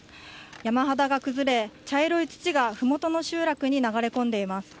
山肌が崩れ、茶色い土がふもとの集落に流れ込んでいます。